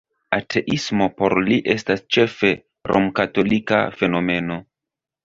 Ateismo por li estas ĉefe romkatolika fenomeno!